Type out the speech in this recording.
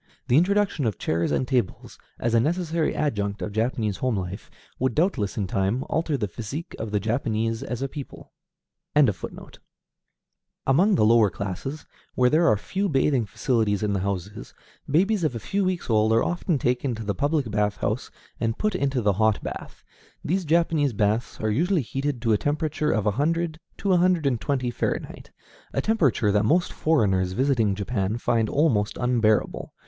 The introduction of chairs and tables, as a necessary adjunct of Japanese home life, would doubtless in time alter the physique of the Japanese as a people. Among the lower classes, where there are few bathing facilities in the houses, babies of a few weeks old are often taken to the public bath house and put into the hot bath. These Japanese baths are usually heated to a temperature of a hundred to a hundred and twenty Fahrenheit, a temperature that most foreigners visiting Japan find almost unbearable.